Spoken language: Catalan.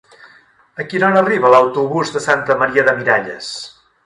A quina hora arriba l'autobús de Santa Maria de Miralles?